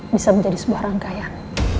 bisa menjadi sebuah rangkaian